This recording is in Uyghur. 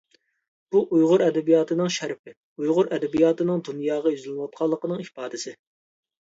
بۇ ئۇيغۇر ئەدەبىياتىنىڭ شەرىپى، ئۇيغۇر ئەدەبىياتىنىڭ دۇنياغا يۈزلىنىۋاتقانلىقىنىڭ ئىپادىسى!